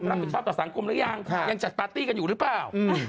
รับผิดชอบต่อสังคมหรือยังยังจัดปาร์ตี้กันอยู่หรือเปล่า